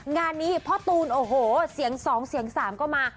งานนี้พ่อตูนโอ้โหเสียง๒เสียง๓ก็มา